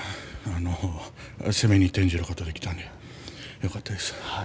攻めに転じることができたんでよかったです。